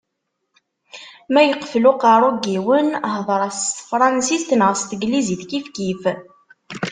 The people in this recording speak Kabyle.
Ma yeqfel uqerru n yiwen, hder-as s tefransist neɣ s teglizit, kifkif.